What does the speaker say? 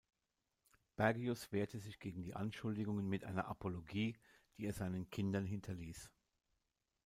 Bergius wehrte sich gegen die Anschuldigungen mit einer Apologie, die er seinen Kindern hinterließ.